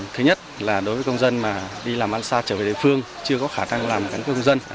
thứ nhất là đối với công dân mà đi làm ăn xa trở về địa phương chưa có khả năng làm căn cước công dân